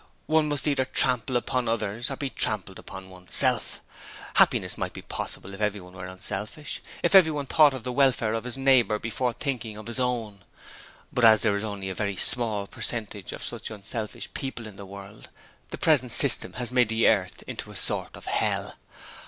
One must either trample upon others or be trampled upon oneself. Happiness might be possible if everyone were unselfish; if everyone thought of the welfare of his neighbour before thinking of his own. But as there is only a very small percentage of such unselfish people in the world, the present system has made the earth into a sort of hell.